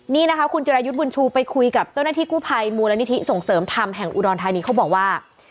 นี่นะคะคุณจิรายุทธ์บุญชูไปคุยกับเจ้าหน้าที่กู้ภัยมูลนิธิส่งเสริมธรรมแห่งอุดรธานีเขาบอกว่า